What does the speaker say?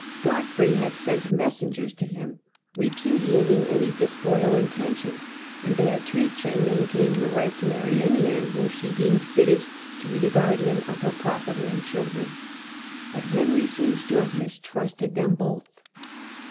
Godfrey had sent messengers to him, repudiating any disloyal intentions, and Beatrice maintained her right to marry any man whom she deemed fittest to be the guardian of her property and children. But Henry seems to have mistrusted them both.